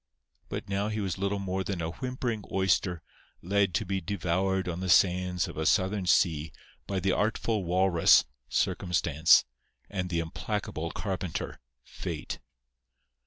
But now he was little more than a whimpering oyster led to be devoured on the sands of a Southern sea by the artful walrus, Circumstance, and the implacable carpenter, Fate.